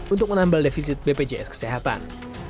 untuk menambal defisit bpjs kesehatan